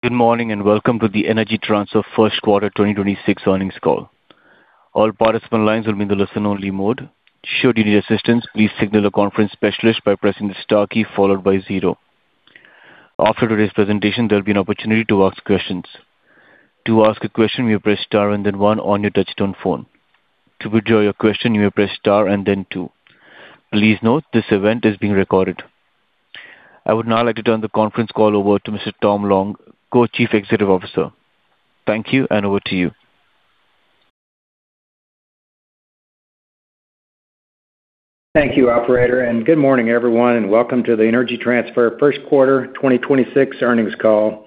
Good morning, and welcome to the Energy Transfer first quarter 2026 earnings call. All participant lines have been in listen-only mode. Should you need assistance, please signal a conference specialist by pressing the star key followed by zero. After today's presentation, there will be an opportunity to ask questions. To ask a question, you may press star and then 1 on your touchstone phone. To withdraw your question, you may press star and then 2. Please note this event is being recorded. I would now like to turn the conference call over to Mr. Tom Long, Co-Chief Executive Officer. Thank you, and over to you. Thank you, operator. Good morning, everyone, and welcome to the Energy Transfer first quarter 2026 earnings call.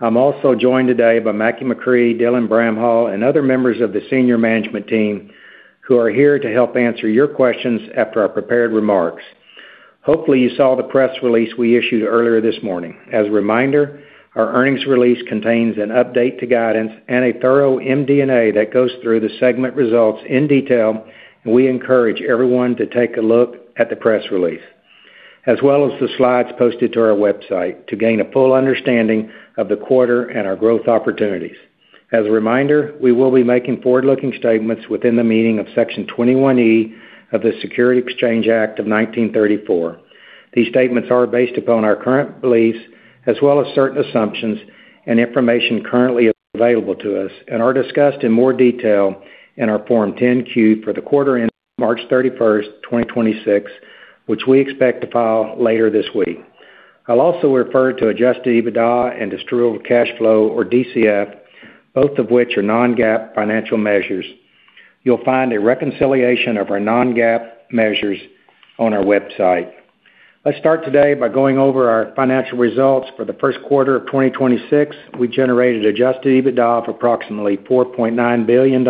I'm also joined today by Mackie McCrea, Dylan Bramhall, and other members of the senior management team who are here to help answer your questions after our prepared remarks. Hopefully, you saw the press release we issued earlier this morning. As a reminder, our earnings release contains an update to guidance and a thorough MD&A that goes through the segment results in detail. We encourage everyone to take a look at the press release, as well as the slides posted to our website to gain a full understanding of the quarter and our growth opportunities. As a reminder, we will be making forward-looking statements within the meaning of Section 21E of the Securities Exchange Act of 1934. These statements are based upon our current beliefs as well as certain assumptions and information currently available to us and are discussed in more detail in our Form 10-Q for the quarter ending March 31, 2026, which we expect to file later this week. I'll also refer to Adjusted EBITDA and distributed cash flow, or DCF, both of which are non-GAAP financial measures. You'll find a reconciliation of our non-GAAP measures on our website. Let's start today by going over our financial results for the first quarter of 2026. We generated Adjusted EBITDA of approximately $4.9 billion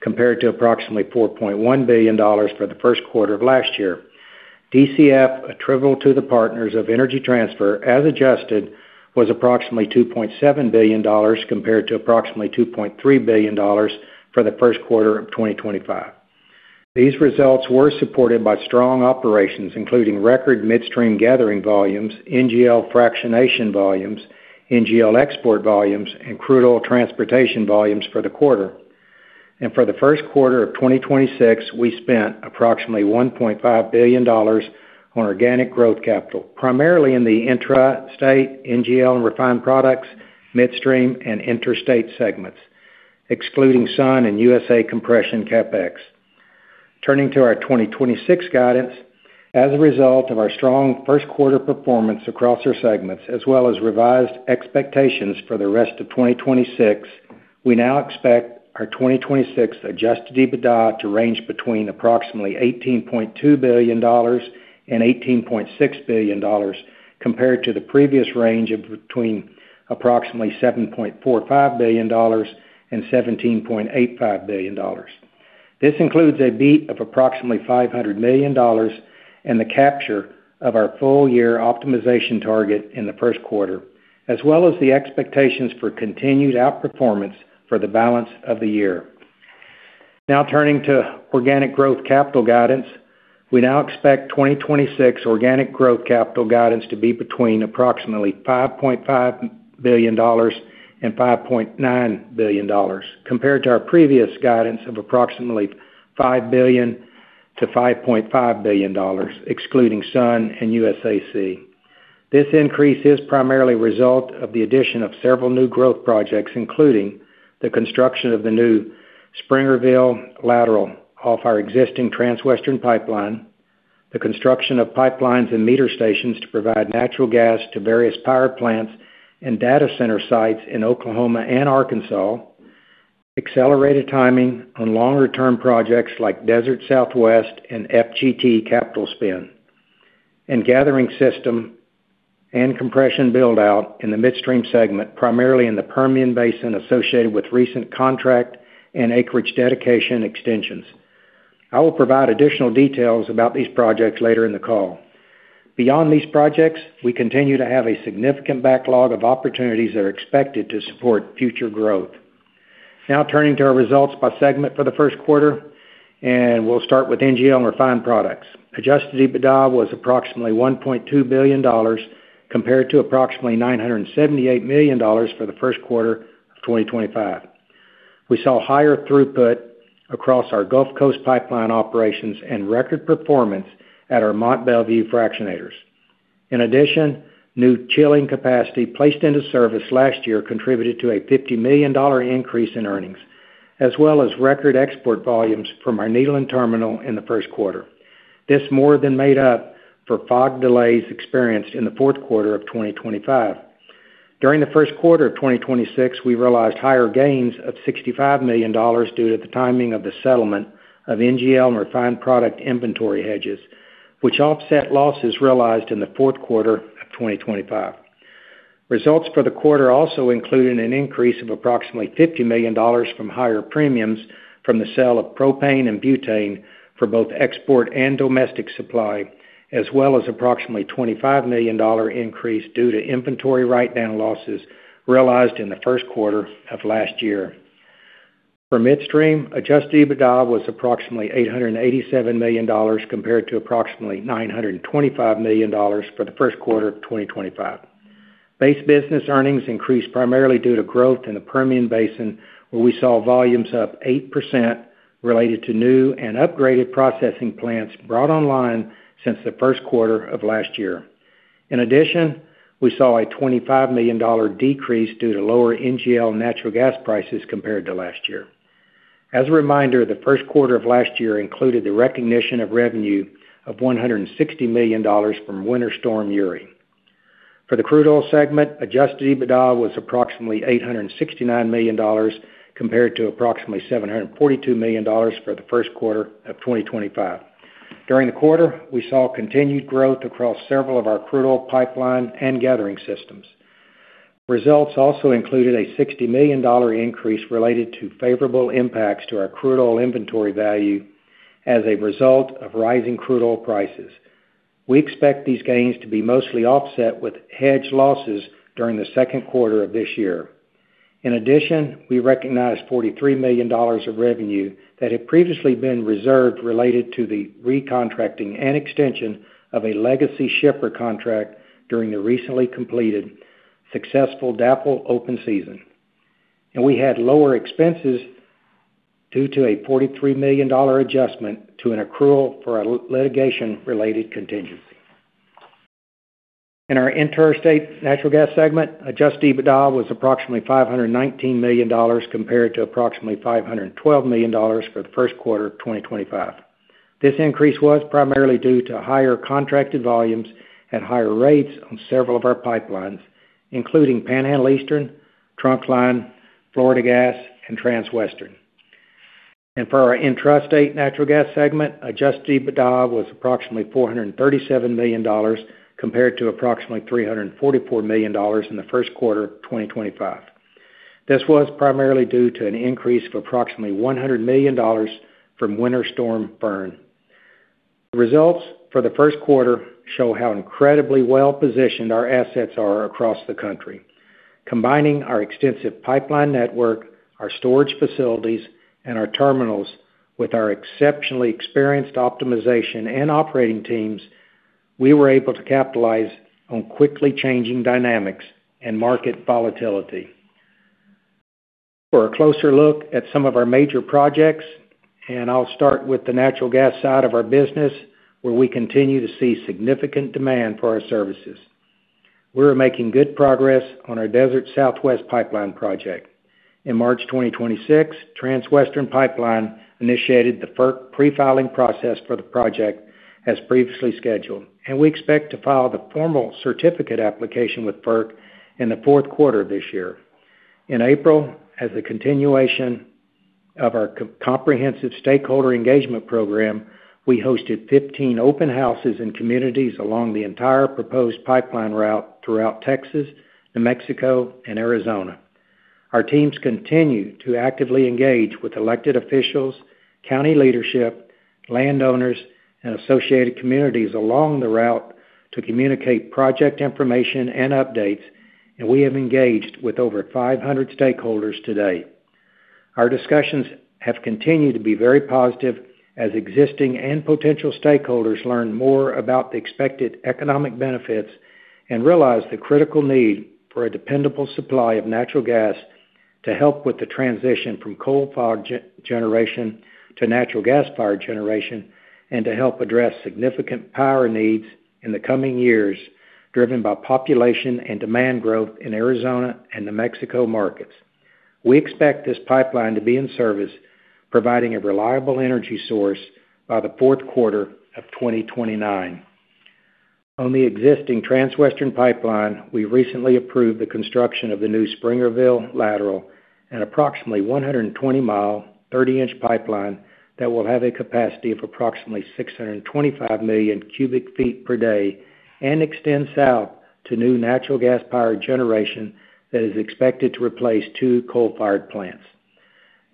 compared to approximately $4.1 billion for the first quarter of last year. DCF attributable to the partners of Energy Transfer, as adjusted, was approximately $2.7 billion compared to approximately $2.3 billion for the first quarter of 2025. These results were supported by strong operations, including record midstream gathering volumes, NGL fractionation volumes, NGL export volumes, and crude oil transportation volumes for the quarter. For the 1st quarter of 2026, we spent approximately $1.5 billion on organic growth capital, primarily in the intrastate NGL and refined products, midstream, and interstate segments, excluding Sun and USA Compression CapEx. Turning to our 2026 guidance. As a result of our strong 1st quarter performance across our segments as well as revised expectations for the rest of 2026, we now expect our 2026 Adjusted EBITDA to range between approximately $18.2 billion and $18.6 billion compared to the previous range of between approximately $7.45 billion and $17.85 billion. This includes a beat of approximately $500 million and the capture of our full year optimization target in the first quarter, as well as the expectations for continued outperformance for the balance of the year. Turning to organic growth capital guidance. We now expect 2026 organic growth capital guidance to be between approximately $5.5 billion and $5.9 billion compared to our previous guidance of approximately $5 billion-$5.5 billion, excluding Sunoco and USAC. This increase is primarily a result of the addition of several new growth projects, including the construction of the new Springerville Lateral off our existing Transwestern Pipeline, the construction of pipelines and meter stations to provide natural gas to various power plants and data center sites in Oklahoma and Arkansas, accelerated timing on longer-term projects like Desert Southwest and FGT capital spin, and gathering system and compression build-out in the midstream segment, primarily in the Permian Basin associated with recent contract and acreage dedication extensions. I will provide additional details about these projects later in the call. Beyond these projects, we continue to have a significant backlog of opportunities that are expected to support future growth. Turning to our results by segment for the first quarter, we'll start with NGL and refined products. Adjusted EBITDA was approximately $1.2 billion compared to approximately $978 million for the first quarter of 2025. We saw higher throughput across our Gulf Coast pipeline operations and record performance at our Mont Belvieu fractionators. In addition, new chilling capacity placed into service last year contributed to a $50 million increase in earnings, as well as record export volumes from our Nederland terminal in the first quarter. This more than made up for fog delays experienced in the fourth quarter of 2025. During the first quarter of 2026, we realized higher gains of $65 million due to the timing of the settlement of NGL and refined product inventory hedges, which offset losses realized in the fourth quarter of 2025. Results for the quarter also included an increase of approximately $50 million from higher premiums from the sale of propane and butane for both export and domestic supply, as well as approximately $25 million increase due to inventory write-down losses realized in the first quarter of last year. For Midstream, Adjusted EBITDA was approximately $887 million compared to approximately $925 million for the first quarter of 2025. Base business earnings increased primarily due to growth in the Permian Basin, where we saw volumes up 8% related to new and upgraded processing plants brought online since the first quarter of last year. In addition, we saw a $25 million decrease due to lower NGL natural gas prices compared to last year. As a reminder, the first quarter of last year included the recognition of revenue of $160 million from Winter Storm Uri. For the crude oil segment, Adjusted EBITDA was approximately $869 million compared to approximately $742 million for the first quarter of 2025. During the quarter, we saw continued growth across several of our crude oil pipeline and gathering systems. Results also included a $60 million increase related to favorable impacts to our crude oil inventory value as a result of rising crude oil prices. We expect these gains to be mostly offset with hedge losses during the second quarter of this year. We recognized $43 million of revenue that had previously been reserved related to the recontracting and extension of a legacy shipper contract during the recently completed successful DAPL open season. We had lower expenses due to a $43 million adjustment to an accrual for a litigation-related contingency. In our interstate natural gas segment, Adjusted EBITDA was approximately $519 million compared to approximately $512 million for the first quarter of 2025. This increase was primarily due to higher contracted volumes at higher rates on several of our pipelines, including Panhandle Eastern, Trunkline, Florida Gas, and Transwestern. For our intrastate natural gas segment, Adjusted EBITDA was approximately $437 million compared to approximately $344 million in the first quarter of 2025. This was primarily due to an increase of approximately $100 million from Winter Storm Fern. The results for the first quarter show how incredibly well-positioned our assets are across the country. Combining our extensive pipeline network, our storage facilities, and our terminals with our exceptionally experienced optimization and operating teams, we were able to capitalize on quickly changing dynamics and market volatility. For a closer look at some of our major projects, I'll start with the natural gas side of our business, where we continue to see significant demand for our services. We're making good progress on our Desert Southwest Pipeline project. In March 2026, Transwestern Pipeline initiated the FERC pre-filing process for the project as previously scheduled. We expect to file the formal certificate application with FERC in the fourth quarter of this year. In April, as a continuation of our comprehensive stakeholder engagement program, we hosted 15 open houses in communities along the entire proposed pipeline route throughout Texas, New Mexico, and Arizona. Our teams continue to actively engage with elected officials, county leadership, landowners, and associated communities along the route to communicate project information and updates. We have engaged with over 500 stakeholders to date. Our discussions have continued to be very positive as existing and potential stakeholders learn more about the expected economic benefits and realize the critical need for a dependable supply of natural gas to help with the transition from coal-fired generation to natural gas-fired generation, and to help address significant power needs in the coming years, driven by population and demand growth in Arizona and New Mexico markets. We expect this pipeline to be in service, providing a reliable energy source by the fourth quarter of 2029. On the existing Transwestern Pipeline, we recently approved the construction of the new Springerville Lateral, an approximately 120-mile, 30-inch pipeline that will have a capacity of approximately 625 million cu ft per day and extends south to new natural gas-powered generation that is expected to replace 2 coal-fired plants.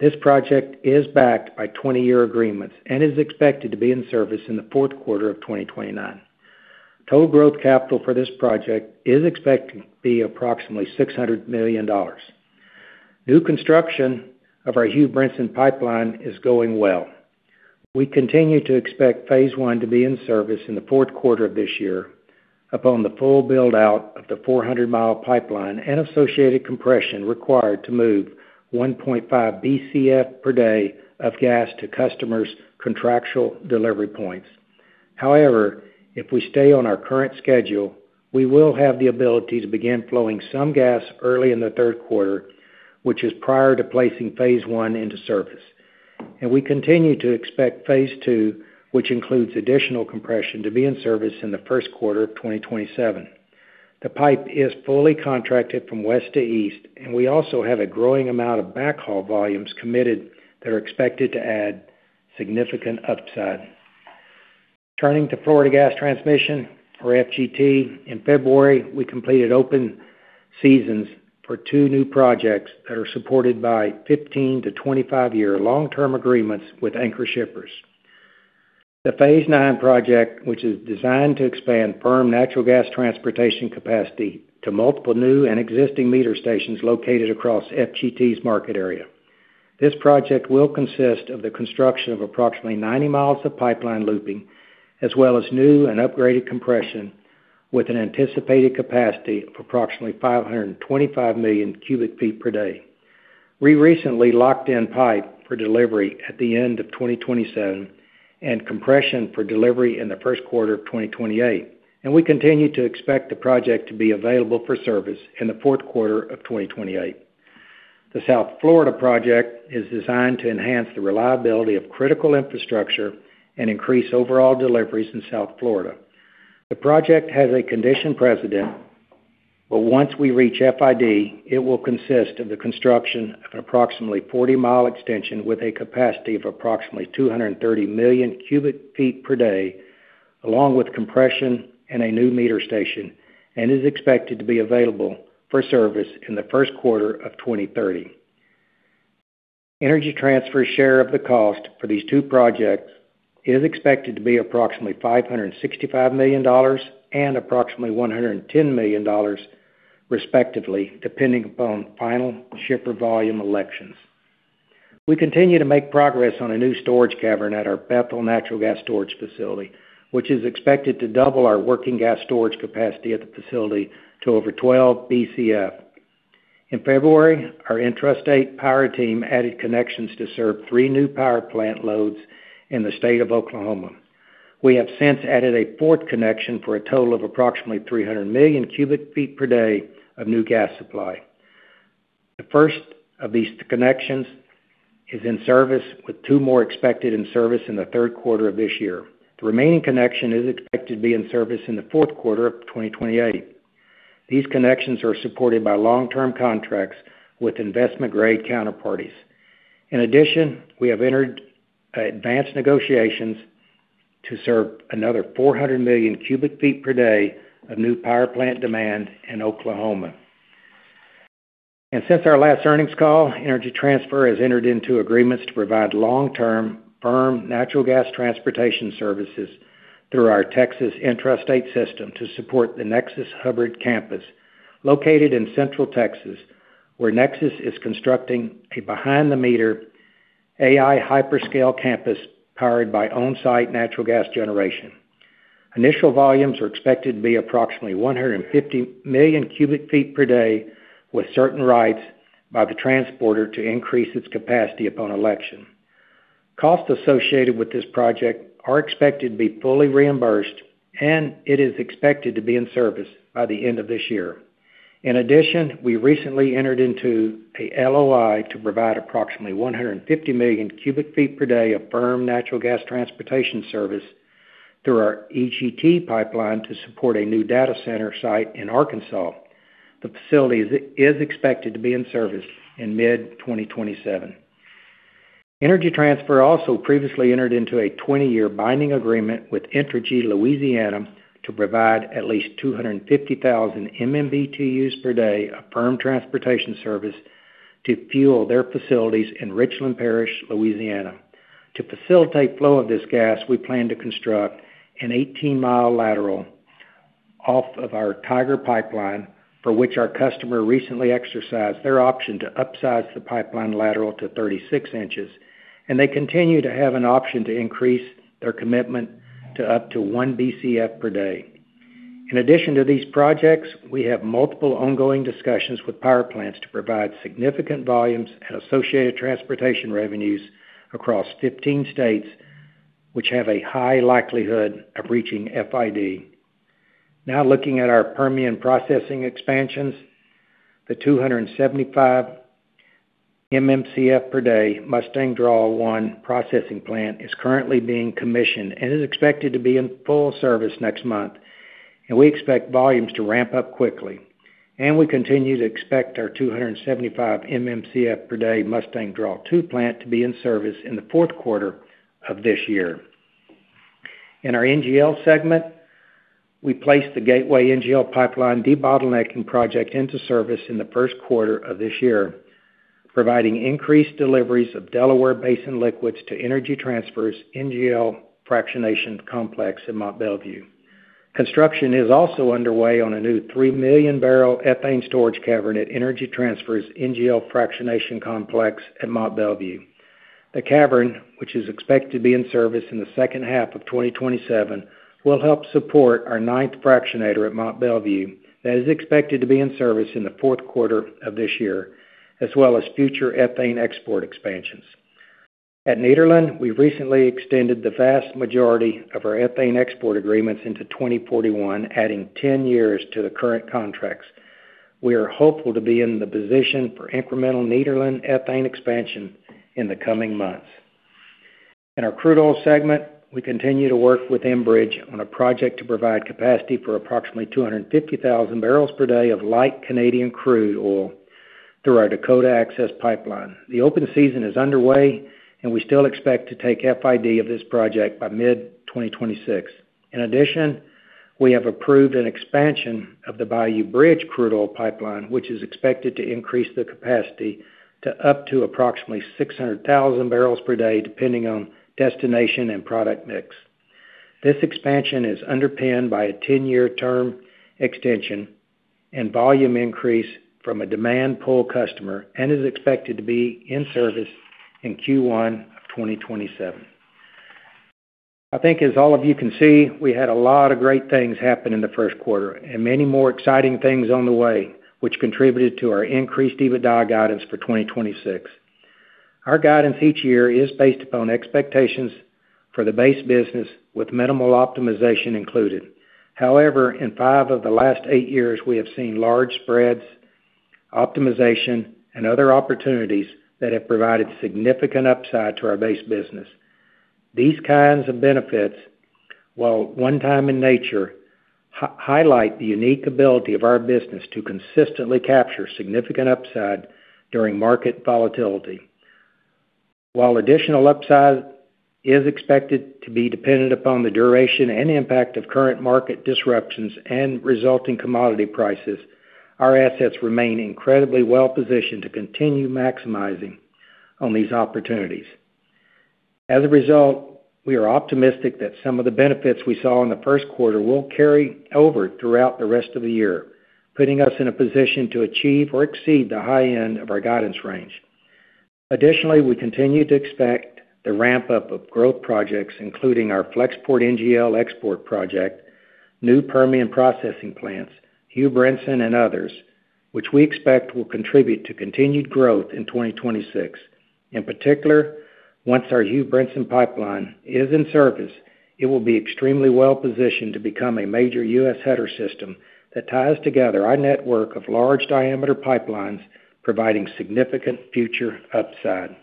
This project is backed by 20-year agreements and is expected to be in service in the fourth quarter of 2029. Total growth capital for this project is expected to be approximately $600 million. New construction of our Hugh Brinson Pipeline is going well. We continue to expect Phase 1 to be in service in the fourth quarter of this year upon the full build-out of the 400-mile pipeline and associated compression required to move 1.5 Bcf per day of gas to customers' contractual delivery points. However, if we stay on our current schedule, we will have the ability to begin flowing some gas early in the third quarter, which is prior to placing Phase 1 into service. We continue to expect Phase 2, which includes additional compression, to be in service in the first quarter of 2027. The pipe is fully contracted from west to east, and we also have a growing amount of backhaul volumes committed that are expected to add significant upside. Turning to Florida Gas Transmission, or FGT. In February, we completed open seasons for two new projects that are supported by 15-25-year long-term agreements with anchor shippers, the Phase IX project, which is designed to expand firm natural gas transportation capacity to multiple new and existing meter stations located across FGT's market area. This project will consist of the construction of approximately 90 miles of pipeline looping, as well as new and upgraded compression, with an anticipated capacity of approximately 525 million cu ft per day. We recently locked in pipe for delivery at the end of 2027, and compression for delivery in the first quarter of 2028, and we continue to expect the project to be available for service in the fourth quarter of 2028. The South Florida project is designed to enhance the reliability of critical infrastructure and increase overall deliveries in South Florida. The project has a condition precedent, but once we reach FID, it will consist of the construction of an approximately 40-mile extension with a capacity of approximately 230 million cu ft per day, along with compression and a new meter station, and is expected to be available for service in the first quarter of 2030. Energy Transfer's share of the cost for these two projects is expected to be approximately $565 million and approximately $110 million respectively, depending upon final shipper volume elections. We continue to make progress on a new storage cavern at our Bethel Natural Gas Storage Facility, which is expected to double our working gas storage capacity at the facility to over 12 BCF. In February, our intrastate power team added connections to serve three new power plant loads in the state of Oklahoma. We have since added a fourth connection for a total of approximately 300 million cu ft per day of new gas supply. The first of these connections is in service, with two more expected in service in the third quarter of this year. The remaining connection is expected to be in service in the fourth quarter of 2028. These connections are supported by long-term contracts with investment-grade counterparties. In addition, we have entered advanced negotiations to serve another 400 million cu ft per day of new power plant demand in Oklahoma. Since our last earnings call, Energy Transfer has entered into agreements to provide long-term firm natural gas transportation services through our Texas intrastate system to support the Nexus Hubbard campus located in Central Texas, where Nexus is constructing a behind-the-meter AI hyperscale campus powered by on-site natural gas generation. Initial volumes are expected to be approximately 150 million cubic feet per day, with certain rights by the transporter to increase its capacity upon election. Costs associated with this project are expected to be fully reimbursed, and it is expected to be in service by the end of this year. In addition, we recently entered into a LOI to provide approximately 150 million cu ft per day of firm natural gas transportation service through our EGT pipeline to support a new data center site in Arkansas. The facility is expected to be in service in mid-2027. Energy Transfer also previously entered into a 20-year binding agreement with Entergy Louisiana to provide at least 250,000 MMBtus per day of firm transportation service to fuel their facilities in Richland Parish, Louisiana. To facilitate flow of this gas, we plan to construct an 18-mile lateral off of our Tiger Pipeline, for which our customer recently exercised their option to upsize the pipeline lateral to 36 inches. They continue to have an option to increase their commitment to up to 1 BCF per day. In addition to these projects, we have multiple ongoing discussions with power plants to provide significant volumes and associated transportation revenues across 15 states which have a high likelihood of reaching FID. Looking at our Permian processing expansions. The 275 MMcf per day Mustang Draw I processing plant is currently being commissioned and is expected to be in full service next month. We expect volumes to ramp up quickly. We continue to expect our 275 MMcf per day Mustang Draw II plant to be in service in the fourth quarter of this year. In our NGL segment, we placed the Gateway NGL Pipeline debottlenecking project into service in the first quarter of this year, providing increased deliveries of Delaware Basin liquids to Energy Transfer's NGL fractionation complex in Mont Belvieu. Construction is also underway on a new 3 million bbl ethane storage cavern at Energy Transfer's NGL fractionation complex at Mont Belvieu. The cavern, which is expected to be in service in the second half of 2027, will help support our ninth fractionator at Mont Belvieu that is expected to be in service in the fourth quarter of this year, as well as future ethane export expansions. At Nederland, we recently extended the vast majority of our ethane export agreements into 2041, adding 10 years to the current contracts. We are hopeful to be in the position for incremental Nederland ethane expansion in the coming months. In our crude oil segment, we continue to work with Enbridge on a project to provide capacity for approximately 250,000 barrels per day of light Canadian crude oil through our Dakota Access Pipeline. The open season is underway. We still expect to take FID of this project by mid-2026. We have approved an expansion of the Bayou Bridge crude oil pipeline, which is expected to increase the capacity to up to approximately 600,000 bbl per day, depending on destination and product mix. This expansion is underpinned by a 10-year term extension and volume increase from a demand pull customer and is expected to be in service in Q1 of 2027. I think as all of you can see, we had a lot of great things happen in the first quarter and many more exciting things on the way, which contributed to our increased EBITDA guidance for 2026. Our guidance each year is based upon expectations for the base business with minimal optimization included. In five of the last eight years, we have seen large spreads, optimization, and other opportunities that have provided significant upside to our base business. These kinds of benefits, while one time in nature, highlight the unique ability of our business to consistently capture significant upside during market volatility. While additional upside is expected to be dependent upon the duration and impact of current market disruptions and resulting commodity prices, our assets remain incredibly well-positioned to continue maximizing on these opportunities. As a result, we are optimistic that some of the benefits we saw in the first quarter will carry over throughout the rest of the year, putting us in a position to achieve or exceed the high end of our guidance range. Additionally, we continue to expect the ramp-up of growth projects, including our FlexPort NGL export project, new Permian processing plants, Hugh Brinson, and others, which we expect will contribute to continued growth in 2026. In particular, once our Hugh Brinson Pipeline is in service, it will be extremely well-positioned to become a major U.S. header system that ties together our network of large diameter pipelines, providing significant future upside.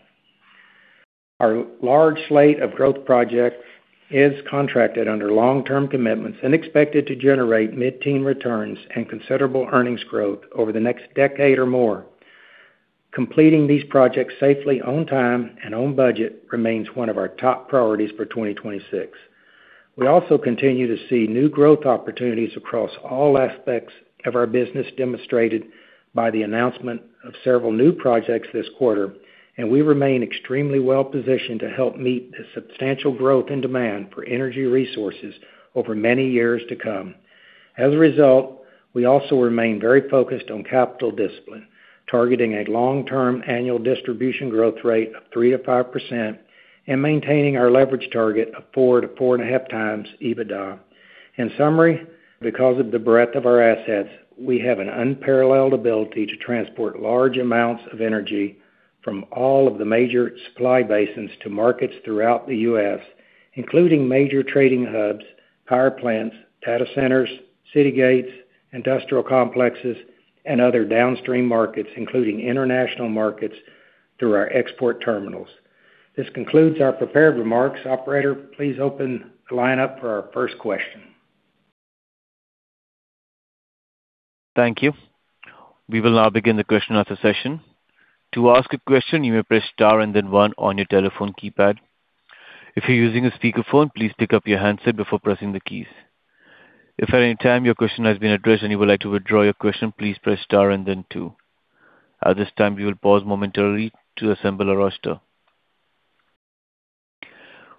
Our large slate of growth projects is contracted under long-term commitments and expected to generate mid-teen returns and considerable earnings growth over the next decade or more. Completing these projects safely on time and on budget remains one of our top priorities for 2026. We also continue to see new growth opportunities across all aspects of our business, demonstrated by the announcement of several new projects this quarter, and we remain extremely well-positioned to help meet the substantial growth and demand for energy resources over many years to come. We also remain very focused on capital discipline, targeting a long-term annual distribution growth rate of 3%-5% and maintaining our leverage target of 4 to 4.5 times EBITDA. In summary, because of the breadth of our assets, we have an unparalleled ability to transport large amounts of energy from all of the major supply basins to markets throughout the U.S., Including major trading hubs, power plants, data centers, city gates, industrial complexes, and other downstream markets, including international markets through our export terminals. This concludes our prepared remarks. Operator, please open the line up for our first question. Thank you. We will now begin the question and answer session. To ask a question, you may press star and then 1 on your telephone keypad. If you're using a speakerphone, please pick up your handset before pressing the keys. If at any time your question has been addressed and you would like to withdraw your question, please press star and then 2. At this time, we will pause momentarily to assemble a roster.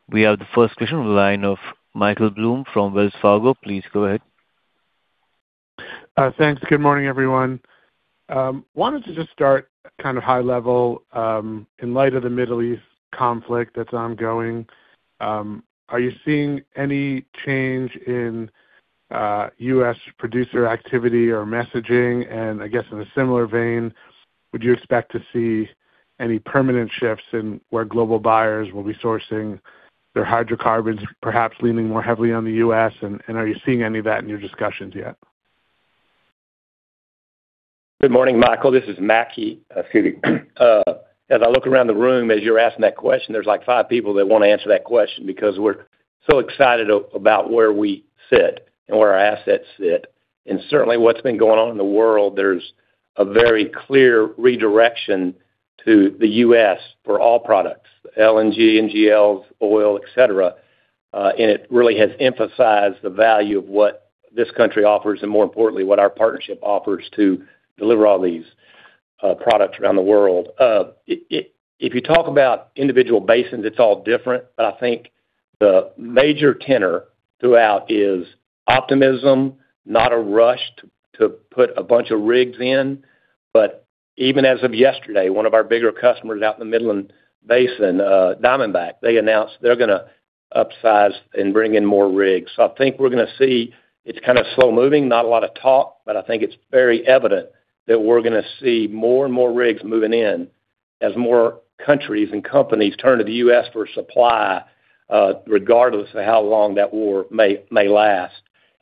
We have the first question on the line of Michael Blum from Wells Fargo. Please go ahead. Thanks. Good morning, everyone. Wanted to just start kind of high level, in light of the Middle East conflict that's ongoing. Are you seeing any change in U.S. producer activity or messaging? I guess in a similar vein, would you expect to see any permanent shifts in where global buyers will be sourcing their hydrocarbons, perhaps leaning more heavily on the U.S.? Are you seeing any of that in your discussions yet? Good morning, Michael. This is Mackie. Excuse me. As I look around the room, as you're asking that question, there's like five people that want to answer that question because we're so excited about where we sit and where our assets sit. Certainly, what's been going on in the world, there's a very clear redirection to the U.S. for all products, LNG, NGLs, oil, et cetera. It really has emphasized the value of what this country offers and more importantly, what our partnership offers to deliver all these products around the world. If you talk about individual basins, it's all different. I think the major tenor throughout is optimism, not a rush to put a bunch of rigs in. Even as of yesterday, one of our bigger customers out in the Midland Basin, Diamondback, they announced they're going to upsize and bring in more rigs. I think we're going to see it's kind of slow-moving, not a lot of talk, but I think it's very evident that we're going to see more and more rigs moving in as more countries and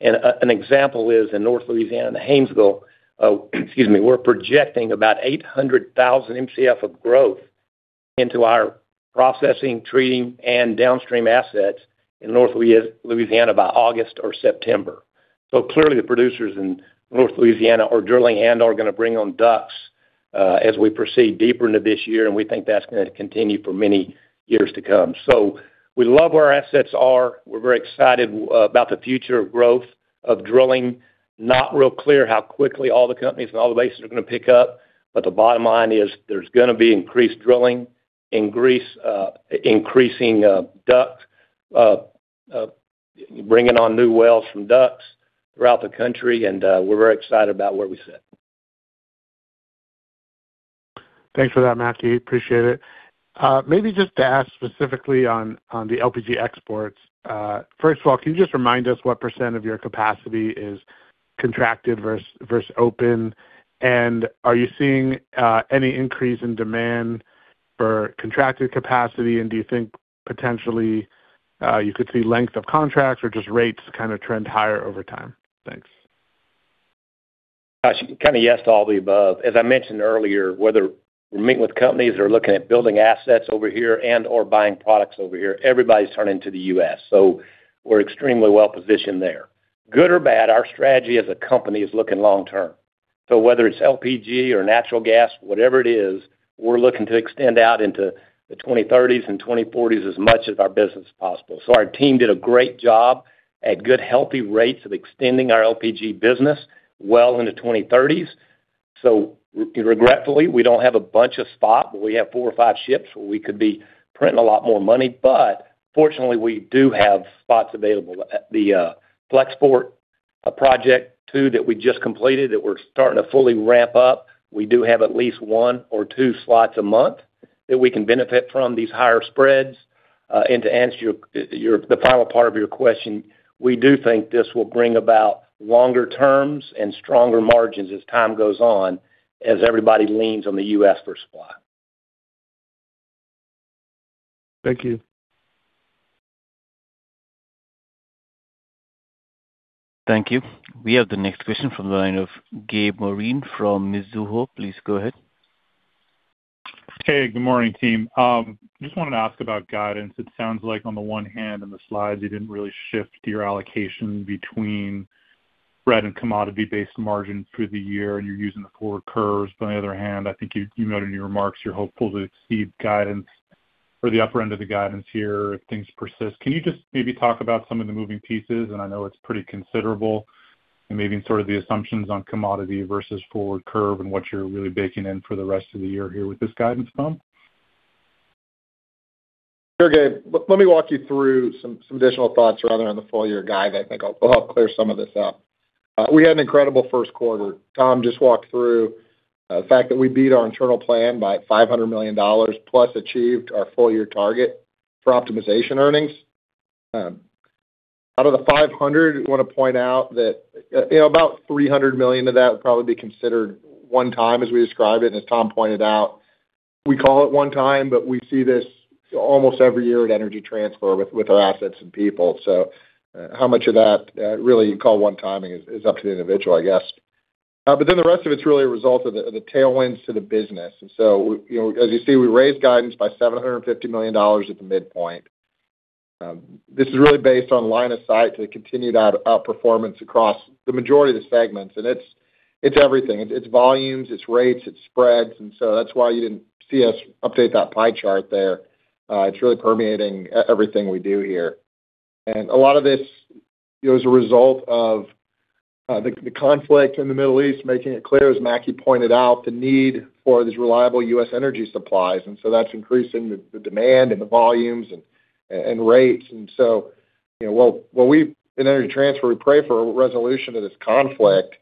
companies turn to the U.S. for supply, regardless of how long that war may last. An example is in North Louisiana, Haynesville, excuse me, we're projecting about 800,000 Mcf of growth into our processing, treating, and downstream assets in North Louisiana by August or September. Clearly, the producers in North Louisiana are drilling and are going to bring on DUCs as we proceed deeper into this year, and we think that's going to continue for many years to come. We love where our assets are. We're very excited about the future of growth, of drilling. Not real clear how quickly all the companies and all the basins are gonna pick up, but the bottom line is there's gonna be increased drilling. Increasing bringing on new wells from DUCs throughout the country, and we're very excited about where we sit. Thanks for that, Mackie. Appreciate it. Maybe just to ask specifically on the LPG exports. First of all, can you just remind us what % of your capacity is contracted versus open? Are you seeing any increase in demand for contracted capacity? Do you think potentially you could see length of contracts or just rates kind of trend higher over time? Thanks. Gosh, kind of yes to all the above. As I mentioned earlier, whether we're meeting with companies or looking at building assets over here and/or buying products over here, everybody's turning to the U.S. We're extremely well-positioned there. Good or bad, our strategy as a company is looking long term. Whether it's LPG or natural gas, whatever it is, we're looking to extend out into the 2030s and 2040s as much as our business possible. Our team did a great job at good, healthy rates of extending our LPG business well into 2030s. Regretfully, we don't have a bunch of spot, but we have 4 or 5 ships where we could be printing a lot more money. Fortunately, we do have spots available at the Flexport project too, that we just completed, that we're starting to fully ramp up. We do have at least one or two slots a month that we can benefit from these higher spreads. To answer the final part of your question, we do think this will bring about longer terms and stronger margins as time goes on, as everybody leans on the U.S. for supply. Thank you. Thank you. We have the next question from the line of Gabe Moreen from Mizuho. Please go ahead. Hey, good morning, team. Just wanted to ask about guidance. It sounds like on the one hand in the slides, you didn't really shift your allocation between spread and commodity-based margins through the year, and you're using the forward curves. On the other hand, I think you noted in your remarks you're hopeful to exceed guidance or the upper end of the guidance here if things persist. Can you just maybe talk about some of the moving pieces? I know it's pretty considerable, and maybe sort of the assumptions on commodity versus forward curve and what you're really baking in for the rest of the year here with this guidance, Tom. Sure, Gabe. Let me walk you through some additional thoughts around on the full-year guide. I think it'll help clear some of this up. We had an incredible first quarter. Tom just walked through the fact that we beat our internal plan by $500 million, plus achieved our full-year target for optimization earnings. Out of the $500, I wanna point out that, you know, about $300 million of that would probably be considered one time, as we describe it. As Tom pointed out, we call it one time, but we see this almost every year at Energy Transfer with our assets and people. How much of that really you call one time is up to the individual, I guess. The rest of it's really a result of the tailwinds to the business. You know, as you see, we raised guidance by $750 million at the midpoint. This is really based on line of sight to the continued outperformance across the majority of the segments. It's everything. It's volumes, it's rates, it's spreads. That's why you didn't see us update that pie chart there. It's really permeating everything we do here. A lot of this, you know, as a result of the conflict in the Middle East, making it clear, as Mackie pointed out, the need for these reliable U.S. energy supplies. That's increasing the demand and the volumes and rates. You know, while we in Energy Transfer, we pray for a resolution to this conflict,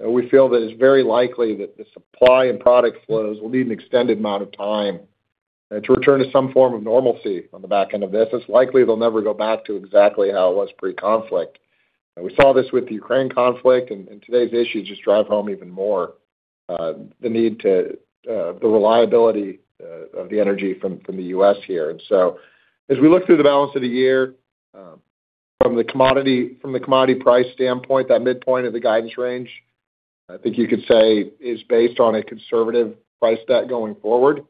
we feel that it's very likely that the supply and product flows will need an extended amount of time to return to some form of normalcy on the back end of this. It's likely they'll never go back to exactly how it was pre-conflict. We saw this with the Ukraine conflict, and today's issues just drive home even more the need to the reliability of the energy from the U.S. here. As we look through the balance of the year, from the commodity price standpoint, that midpoint of the guidance range, I think you could say is based on a conservative price deck going forward.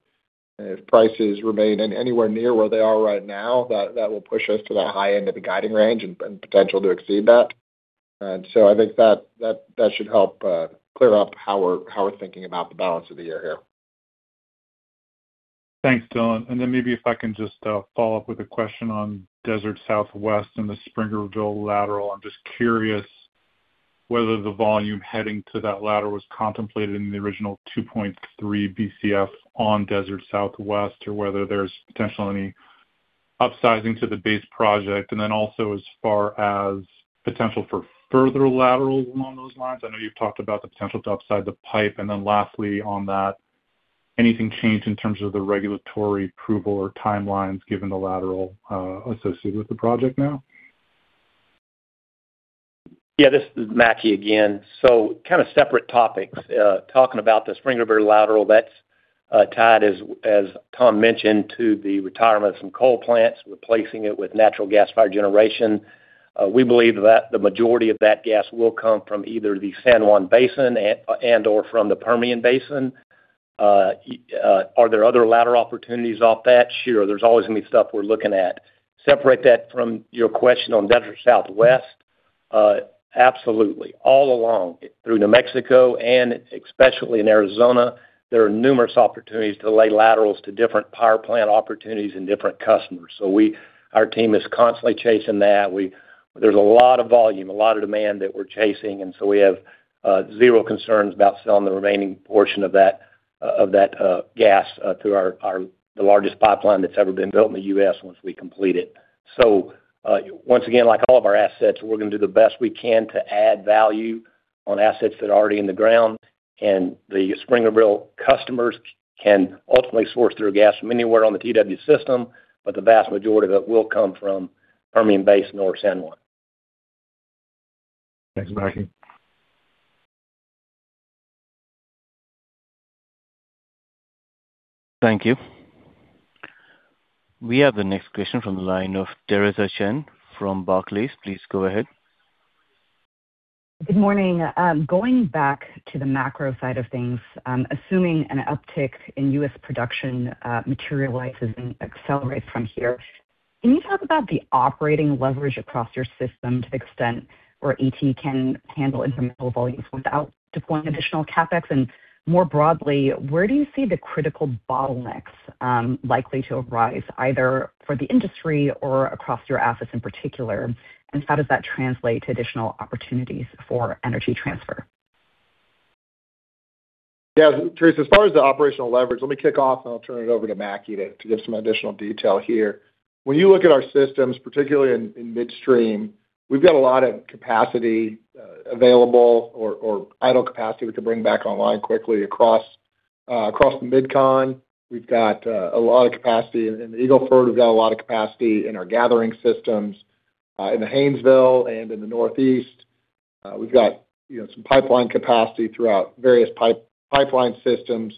If prices remain in anywhere near where they are right now, that will push us to that high end of the guiding range and potential to exceed that. I think that should help clear up how we're thinking about the balance of the year here. Thanks, Dylan. Maybe if I can just follow up with a question on Desert Southwest and the Springerville Lateral. I'm just curious whether the volume heading to that lateral was contemplated in the original 2.3 BCF on Desert Southwest or whether there's potentially any upsizing to the base project. Also as far as potential for further laterals along those lines. I know you've talked about the potential to upside the pipe. Lastly on that, anything changed in terms of the regulatory approval or timelines given the lateral associated with the project now? Yeah, this is Mackie again. Kind of separate topics. Talking about the Springerville Lateral, that's tied as Tom mentioned, to the retirement of some coal plants, replacing it with natural gas-fired generation. We believe that the majority of that gas will come from either the San Juan Basin and/or from the Permian Basin. Are there other lateral opportunities off that? Sure. There's always gonna be stuff we're looking at. Separate that from your question on Desert Southwest. Absolutely. All along, through New Mexico and especially in Arizona, there are numerous opportunities to lay laterals to different power plant opportunities and different customers. Our team is constantly chasing that. There's a lot of volume, a lot of demand that we're chasing. We have zero concerns about selling the remaining portion of that gas through our largest pipeline that's ever been built in the U.S. once we complete it. Once again, like all of our assets, we're gonna do the best we can to add value on assets that are already in the ground. The Springerville customers can ultimately source through gas from anywhere on the TW system, but the vast majority of it will come from Permian Basin or San Juan. Thanks, Mackie. Thank you. We have the next question from the line of Theresa Chen from Barclays. Please go ahead. Good morning. Going back to the macro side of things, assuming an uptick in U.S. production materializes and accelerates from here, can you talk about the operating leverage across your system to the extent where ET can handle incremental volumes without deploying additional CapEx? More broadly, where do you see the critical bottlenecks likely to arise, either for the industry or across your assets in particular? How does that translate to additional opportunities for Energy Transfer? Yeah. Theresa, as far as the operational leverage, let me kick off, and I'll turn it over to Mackie to give some additional detail here. When you look at our systems, particularly in midstream, we've got a lot of capacity available or idle capacity we can bring back online quickly across across the MidCon. We've got a lot of capacity in the Eagle Ford. We've got a lot of capacity in our gathering systems in the Haynesville and in the Northeast. We've got, you know, some pipeline capacity throughout various pipeline systems.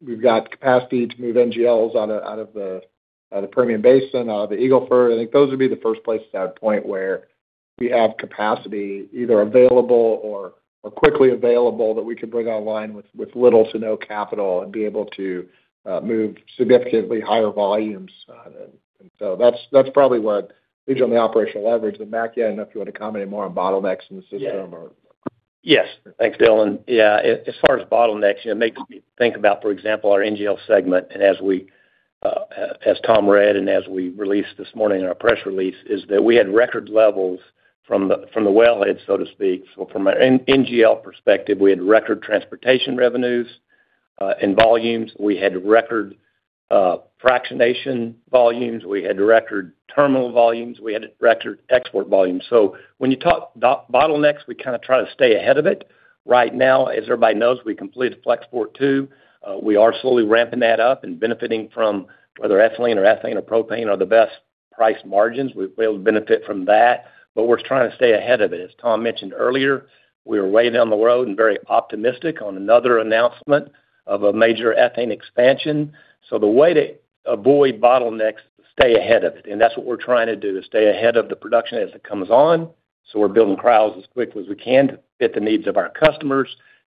We've got capacity to move NGLs out of the Permian Basin, out of the Eagle Ford. I think those would be the first places I'd point where we have capacity either available or quickly available that we could bring online with little to no capital and be able to move significantly higher volumes. That's probably what based on the operational leverage. Mackie, I don't know if you want to comment any more on bottlenecks in the system or- Yes. Thanks, Dylan. Yeah. As far as bottlenecks, it makes me think about, for example, our NGL segment. As we, as Tom read and as we released this morning in our press release, is that we had record levels from the wellhead, so to speak. From an NGL perspective, we had record transportation revenues and volumes. We had record fractionation volumes. We had record terminal volumes. We had record export volumes. When you talk bottlenecks, we kind of try to stay ahead of it. Right now, as everybody knows, we completed FlexPort Two. We are slowly ramping that up and benefiting from whether ethylene or ethane or propane are the best priced margins. We're able to benefit from that, we're trying to stay ahead of it. As Tom mentioned earlier, we are way down the road and very optimistic on another announcement of a major ethane expansion. The way to avoid bottlenecks is to stay ahead of it, and that's what we're trying to do, is stay ahead of the production as it comes on. We're building crudes as quickly as we can to fit the needs of our customers,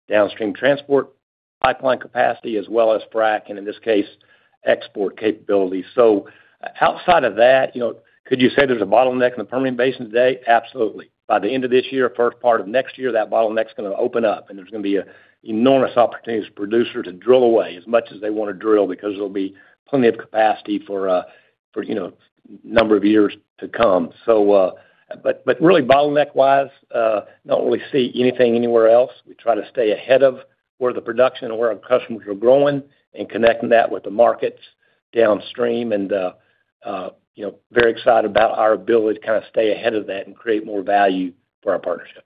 downstream transport pipeline capacity, as well as frack, and in this case, export capability. Outside of that, you know, could you say there's a bottleneck in the Permian Basin today? Absolutely. By the end of this year, first part of next year, that bottleneck's gonna open up, and there's gonna be enormous opportunities for producer to drill away as much as they want to drill because there'll be plenty of capacity for, you know, number of years to come. Really bottleneck-wise, don't really see anything anywhere else. We try to stay ahead of where the production and where our customers are growing and connecting that with the markets downstream and, you know, very excited about our ability to kind of stay ahead of that and create more value for our partnership.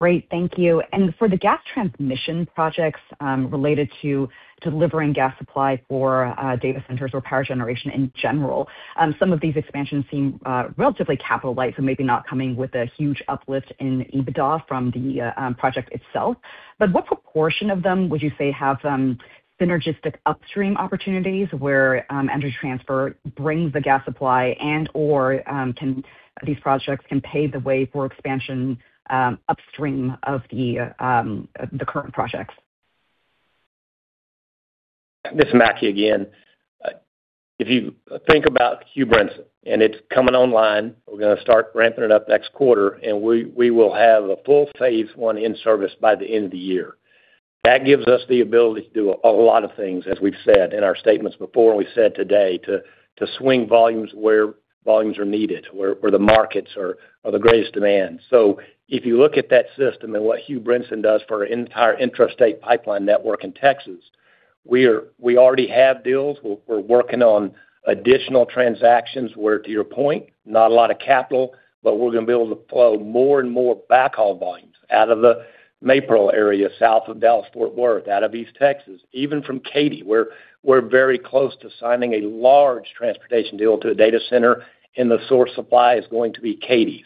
Great. Thank you. For the gas transmission projects, related to delivering gas supply for data centers or power generation in general, some of these expansions seem relatively capital light, so maybe not coming with a huge uplift in EBITDA from the project itself. What proportion of them would you say have synergistic upstream opportunities where Energy Transfer brings the gas supply and/or these projects can pave the way for expansion upstream of the current projects? This is Mackie again. If you think about Hugh Brinson, it's coming online, we're gonna start ramping it up next quarter, we will have a full phase 1 in service by the end of the year. That gives us the ability to do a lot of things, as we've said in our statements before and we've said today, to swing volumes where volumes are needed, where the markets are the greatest demand. If you look at that system and what Hugh Brinson does for our entire intrastate pipeline network in Texas, we already have deals. We're working on additional transactions, where to your point, not a lot of capital, but we're gonna be able to flow more and more backhaul volumes out of the Maypearl area, south of Dallas-Fort Worth, out of East Texas, even from Katy, where we're very close to signing a large transportation deal to a data center, and the source supply is going to be Katy.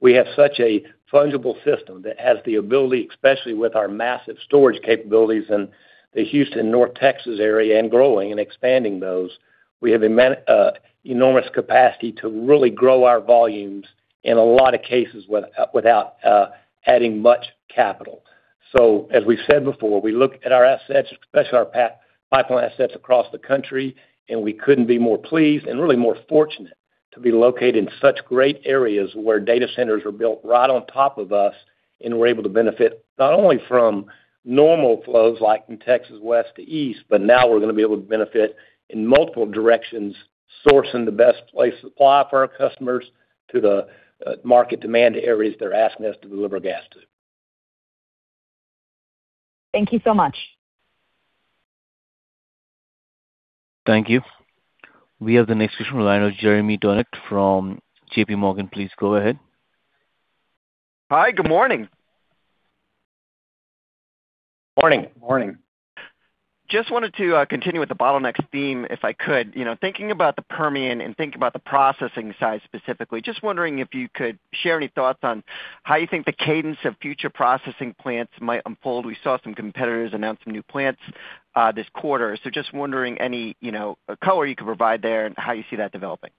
We have such a fungible system that has the ability, especially with our massive storage capabilities in the Houston, North Texas area and growing and expanding those. We have enormous capacity to really grow our volumes in a lot of cases without adding much capital. As we've said before, we look at our assets, especially our pipeline assets across the country, and we couldn't be more pleased and really more fortunate to be located in such great areas where data centers are built right on top of us, and we're able to benefit not only from normal flows, like in Texas, west to east, but now we're gonna be able to benefit in multiple directions. Sourcing the best place to supply for our customers to the market demand areas they're asking us to deliver gas to. Thank you so much. Thank you. We have the next question in line of Jeremy Tonet from JPMorgan. Please go ahead. Hi, good morning. Morning. Morning. Just wanted to continue with the bottlenecks theme, if I could. You know, thinking about the Permian and thinking about the processing side specifically. Just wondering if you could share any thoughts on how you think the cadence of future processing plants might unfold. We saw some competitors announce some new plants this quarter. Just wondering any, you know, color you could provide there and how you see that developing.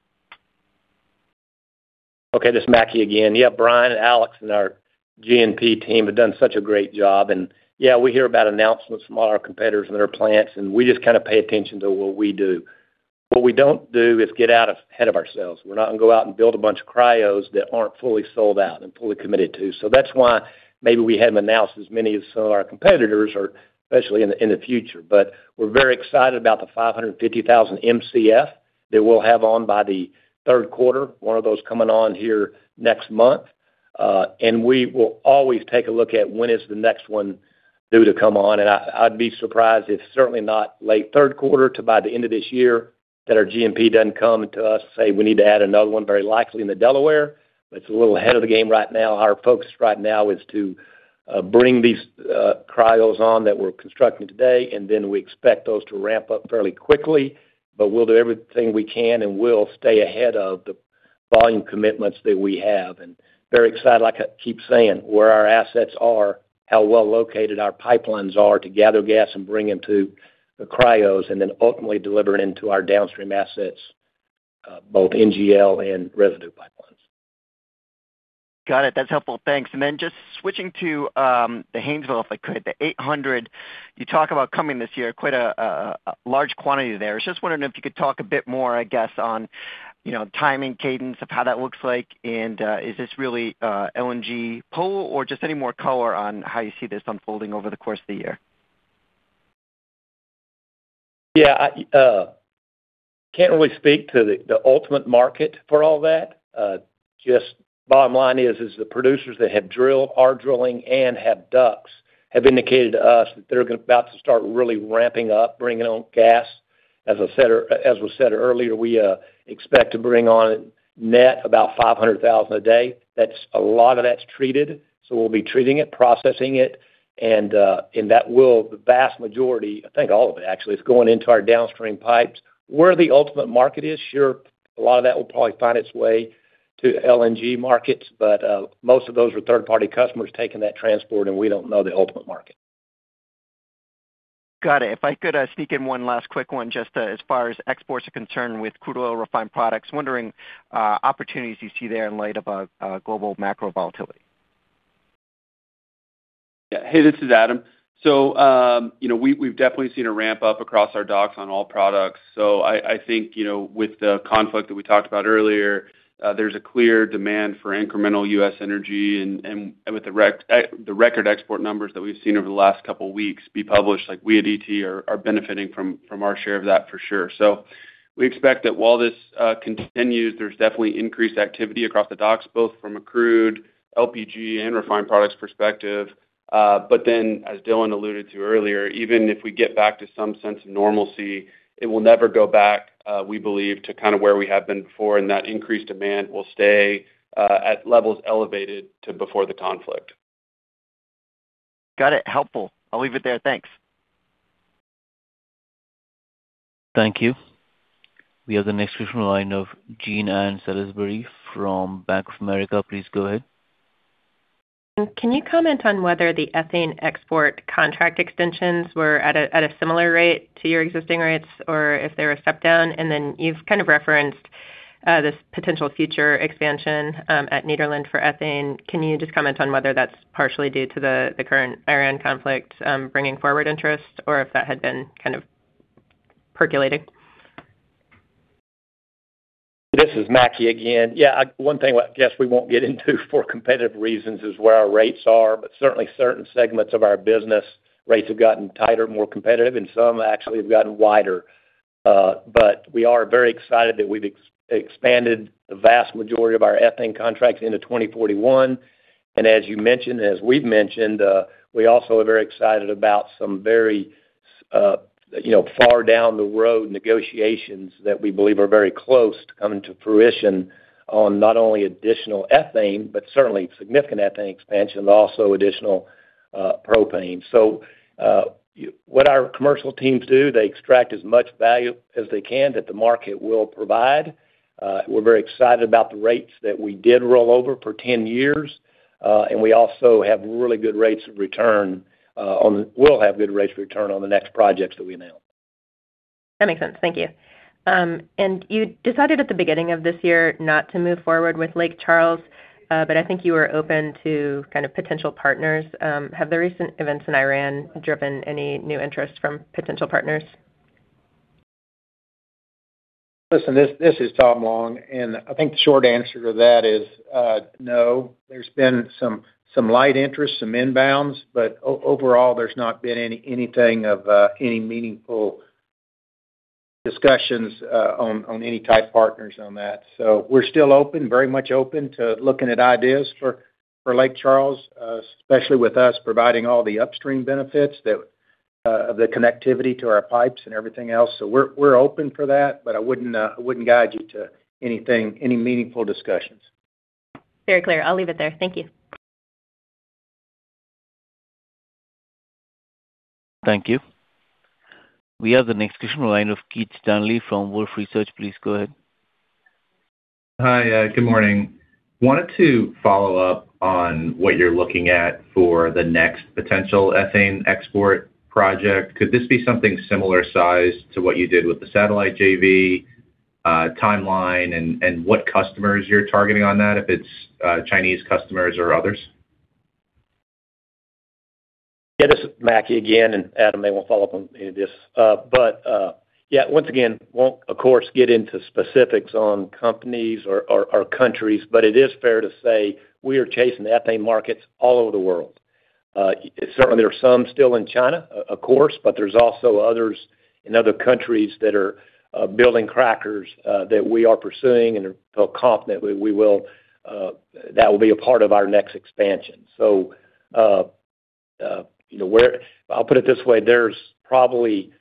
Okay, this is Mackie again. Brian and Alex and our G&P team have done such a great job. We hear about announcements from all our competitors and their plants, and we just kind of pay attention to what we do. What we don't do is get ahead of ourselves. We're not gonna go out and build a bunch of cryos that aren't fully sold out and fully committed to. That's why maybe we haven't announced as many as some of our competitors or especially in the future. We're very excited about the 550,000 Mcf that we'll have on by the third quarter. One of those coming on here next month. We will always take a look at when is the next one due to come on. I'd be surprised if certainly not late third quarter to by the end of this year that our G&P doesn't come to us say we need to add another one, very likely in the Delaware. It's a little ahead of the game right now. Our focus right now is to bring these cryos on that we're constructing today, and then we expect those to ramp up fairly quickly. We'll do everything we can, and we'll stay ahead of the volume commitments that we have. Very excited, like I keep saying, where our assets are, how well located our pipelines are to gather gas and bring them to the cryos, and then ultimately deliver it into our downstream assets, both NGL and residue pipelines. Got it. That's helpful. Thanks. Then just switching to the Haynesville, if I could. The 800 you talk about coming this year, quite a large quantity there. Just wondering if you could talk a bit more, I guess, on, you know, timing cadence of how that looks like. Is this really LNG pull or just any more color on how you see this unfolding over the course of the year? Yeah. I can't really speak to the ultimate market for all that. Just bottom line is the producers that have drilled are drilling and have DUCs indicated to us that they're about to start really ramping up, bringing on gas. As was said earlier, we expect to bring on net about 500,000 a day. A lot of that's treated, so we'll be treating it, processing it, and that will, the vast majority, I think all of it actually, is going into our downstream pipes. Where the ultimate market is, sure, a lot of that will probably find its way to LNG markets, but most of those are third-party customers taking that transport, and we don't know the ultimate market. Got it. If I could sneak in one last quick one, just as far as exports are concerned with crude oil refined products, wondering opportunities you see there in light of global macro volatility. Yeah. Hey, this is Adam. You know, we've definitely seen a ramp up across our docks on all products. I think, you know, with the conflict that we talked about earlier, there's a clear demand for incremental U.S. energy and with the record export numbers that we've seen over the last couple weeks be published, like, we at ET are benefiting from our share of that for sure. We expect that while this continues, there's definitely increased activity across the docks, both from a crude, LPG, and refined products perspective. As Dylan alluded to earlier, even if we get back to some sense of normalcy, it will never go back, we believe, to kind of where we have been before, and that increased demand will stay at levels elevated to before the conflict. Got it. Helpful. I'll leave it there. Thanks. Thank you. We have the next question in line of Jean Ann Salisbury from Bank of America. Please go ahead. Can you comment on whether the ethane export contract extensions were at a similar rate to your existing rates or if they were stepped down? You've kind of referenced this potential future expansion at Nederland for ethane. Can you just comment on whether that's partially due to the current Iran conflict bringing forward interest or if that had been kind of percolating? This is Mackie again. Yeah. One thing I guess we won't get into for competitive reasons is where our rates are. Certainly, certain segments of our business rates have gotten tighter, more competitive, and some actually have gotten wider. We are very excited that we've expanded the vast majority of our ethane contracts into 2041. As you mentioned, as we've mentioned, we also are very excited about some very, you know, far down the road negotiations that we believe are very close to coming to fruition on not only additional ethane, but certainly significant ethane expansion, but also additional propane. What our commercial teams do, they extract as much value as they can that the market will provide. We're very excited about the rates that we did roll over for 10 years. We also have really good rates of return. We'll have good rates of return on the next projects that we announce. That makes sense. Thank you. You decided at the beginning of this year not to move forward with Lake Charles, but I think you were open to kind of potential partners. Have the recent events in Iran driven any new interest from potential partners? Listen, this is Tom Long. I think the short answer to that is no. There has been some light interest, some inbounds. Overall, there has not been anything of any meaningful discussions on any type partners on that. We are still open, very much open to looking at ideas for Lake Charles, especially with us providing all the upstream benefits that of the connectivity to our pipes and everything else. We are open for that, but I wouldn't guide you to anything, any meaningful discussions. Very clear. I'll leave it there. Thank you. Thank you. We have the next question in line of Keith Stanley from Wolfe Research. Please go ahead. Hi, good morning. I wanted to follow up on what you're looking at for the next potential ethane export project. Could this be something similar size to what you did with the Satellite JV, timeline and what customers you're targeting on that, if it's Chinese customers or others? This is Mackie again, and Adam may want to follow up on any of this. Once again, won't, of course, get into specifics on companies or countries, but it is fair to say we are chasing ethane markets all over the world. Certainly there are some still in China, of course, but there's also others in other countries that are building crackers that we are pursuing and feel confident we will that will be a part of our next expansion. You know, I'll put it this way. There's probably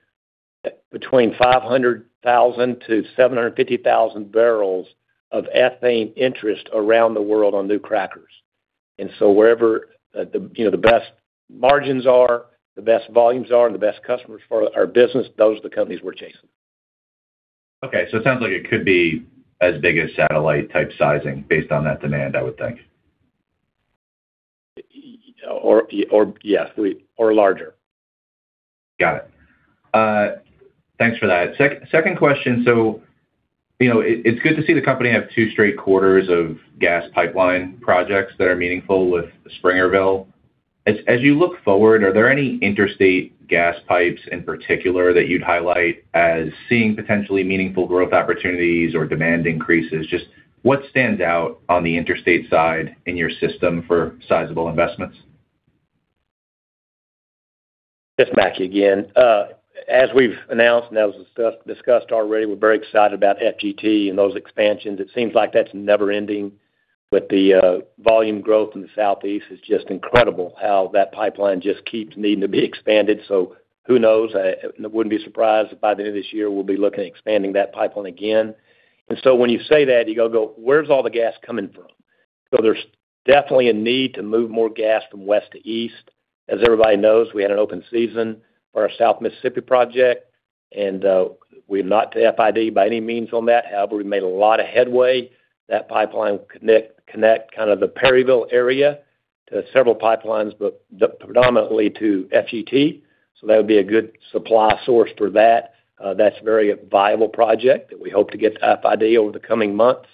between 500,000 to 750,000 barrels of ethane interest around the world on new crackers. Wherever the, you know, the best margins are, the best volumes are, and the best customers for our business, those are the companies we're chasing. Okay. It sounds like it could be as big as Satellite type sizing based on that demand, I would think. Yes, or larger. Got it. Thanks for that. Second question. You know, it's good to see the company have two straight quarters of gas pipeline projects that are meaningful with Springerville. As you look forward, are there any interstate gas pipes in particular that you'd highlight as seeing potentially meaningful growth opportunities or demand increases? Just what stands out on the interstate side in your system for sizable investments? It's Mackie again. As we've announced, and that was discussed already, we're very excited about FGT and those expansions. It seems like that's never ending with the volume growth in the Southeast. Who knows? I wouldn't be surprised if by the end of this year we'll be looking at expanding that pipeline again. When you say that, you go, "Where's all the gas coming from?" There's definitely a need to move more gas from west to east. Everybody knows, we had an open season for our South Mississippi Project, and we're not to FID by any means on that, however, we've made a lot of headway. That pipeline connect kind of the Perryville area to several pipelines, but predominantly to FGT. That would be a good supply source for that. That's a very viable project that we hope to get to FID over the coming months.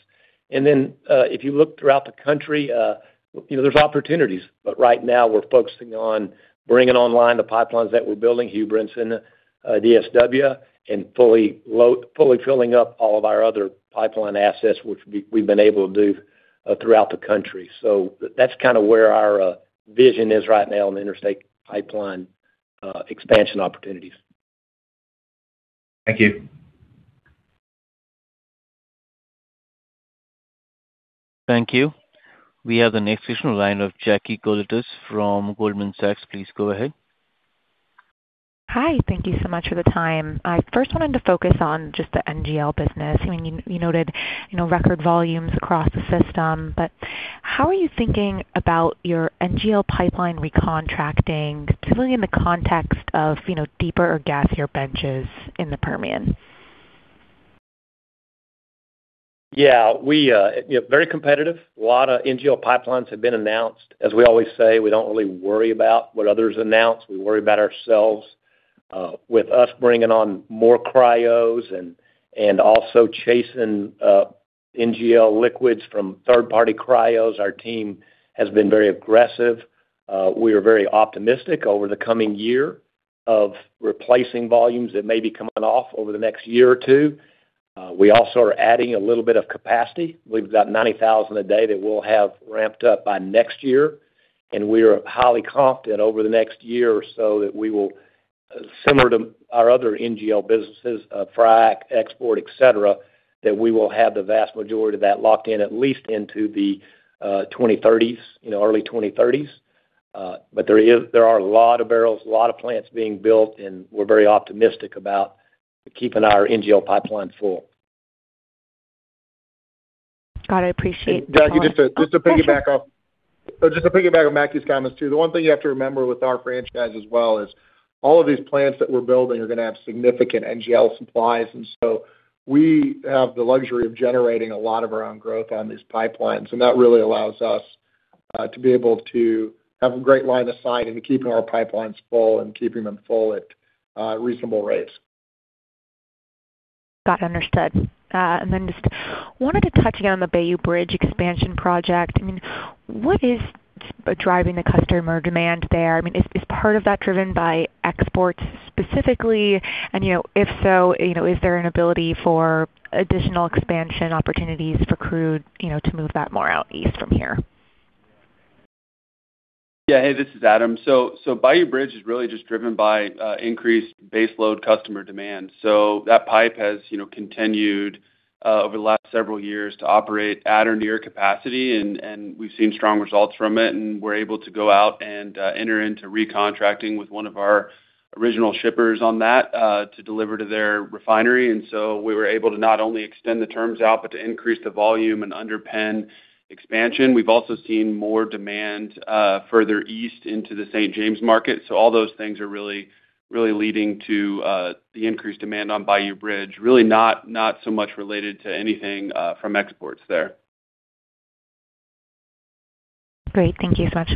If you look throughout the country, you know, there's opportunities, but right now we're focusing on bringing online the pipelines that we're building, Hugh Brinson and DSW, and fully filling up all of our other pipeline assets, which we've been able to do throughout the country. That's kind of where our vision is right now on the interstate pipeline expansion opportunities. Thank you. Thank you. We have the next question in line of Jackie Colucci from Goldman Sachs. Please go ahead. Hi. Thank you so much for the time. I first wanted to focus on just the NGL business. I mean, you noted, you know, record volumes across the system, but how are you thinking about your NGL pipeline recontracting, particularly in the context of, you know, deeper or gasier benches in the Permian? We, you know, very competitive. A lot of NGL pipelines have been announced. As we always say, we don't really worry about what others announce. We worry about ourselves. With us bringing on more cryos and also chasing NGL liquids from third-party cryos, our team has been very aggressive. We are very optimistic over the coming year of replacing volumes that may be coming off over the next year or two. We also are adding a little bit of capacity. We've got 90,000 a day that we'll have ramped up by next year, and we are highly confident over the next year or so that we will, similar to our other NGL businesses, frac, export, et cetera, that we will have the vast majority of that locked in at least into the 2030s, you know, early 2030s. There are a lot of barrels, a lot of plants being built, and we're very optimistic about keeping our NGL pipeline full. Got it. Appreciate the comments. Jackie. Oh, sure. Just to piggyback on Mackie's comments too. The one thing you have to remember with our franchise as well is all of these plants that we're building are going to have significant NGL supplies. We have the luxury of generating a lot of our own growth on these pipelines, and that really allows us to be able to have a great line of sight into keeping our pipelines full and keeping them full at reasonable rates. Got it, understood. Just wanted to touch again on the Bayou Bridge expansion project. I mean, what is driving the customer demand there? I mean, is part of that driven by exports specifically? You know, if so, you know, is there an ability for additional expansion opportunities for crude, you know, to move that more out east from here? Yeah. Hey, this is Adam. Bayou Bridge is really just driven by increased baseload customer demand. That pipe has, you know, continued over the last several years to operate at or near capacity, and we've seen strong results from it, and we're able to go out and enter into recontracting with one of our original shippers on that to deliver to their refinery. We were able to not only extend the terms out, but to increase the volume and underpin expansion. We've also seen more demand further east into the St. James market. All those things are really leading to the increased demand on Bayou Bridge. Really not so much related to anything from exports there. Great. Thank you so much.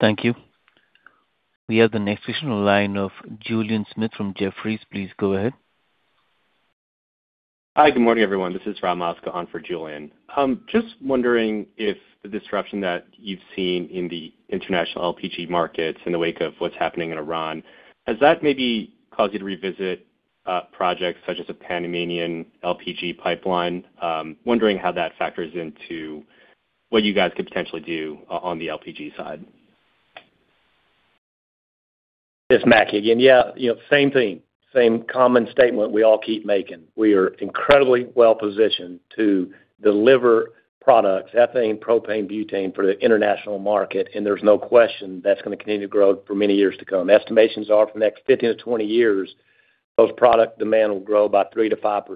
Thank you. We have the next question in line of Julien Dumoulin-Smith from Jefferies. Please go ahead. Hi, good morning, everyone. This is Ram Askan for Julien. Wondering if the disruption that you've seen in the international LPG markets in the wake of what's happening in Iran, has that maybe caused you to revisit projects such as a Panamanian LPG pipeline? Wondering how that factors into what you guys could potentially do on the LPG side. This is Mackie again. Yeah, you know, same thing, same common statement we all keep making. We are incredibly well-positioned to deliver products, ethane, propane, butane for the international market. There's no question that's gonna continue to grow for many years to come. Estimations are for the next 15-20 years, those product demand will grow by 3%-5%.